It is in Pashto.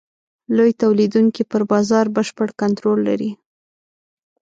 لوی تولیدوونکي پر بازار بشپړ کنټرول لري.